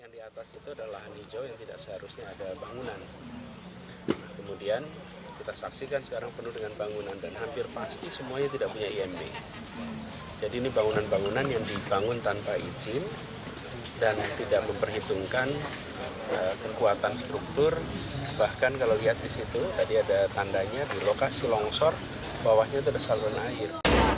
lihat di situ tadi ada tandanya di lokasi longsor bawahnya terdapat saluran air